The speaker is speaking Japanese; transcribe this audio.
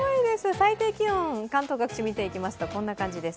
最低気温、関東各地見ていきますと、こんな感じです。